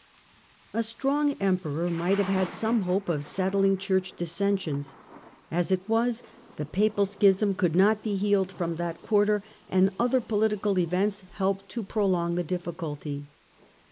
A strong Emperor might have had some hope of set thng Church dissensions.^ As it was, the Papal Schism 112 SCHISMS IN THE PAPACY AND EMPIRE 113 could not be healed from that quarter, and other politi cal events helped to prolong the difficulty.